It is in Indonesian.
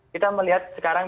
kita melihat sekarang